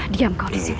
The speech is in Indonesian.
diam kau di sini